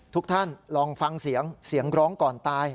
ทุกท่านลองฟังเสียงเสียงร้องก่อนตาย